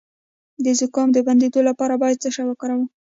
د زکام د بندیدو لپاره باید څه شی وکاروم؟